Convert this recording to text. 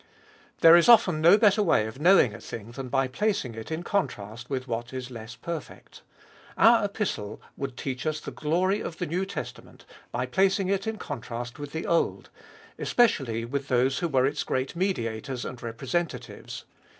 There is often no better way of knowing a thing than by placing it in contrast with what is less perfect. Our Epistle would teach us the glory of the New Testament by placing it in contrast with the Old, especially with those who were its 48 Cbe fooliest of 21U great mediators and representatives.